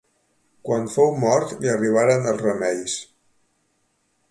Quan fou mort li arribaren els remeis.